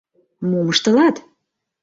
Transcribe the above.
Мом ыштылат?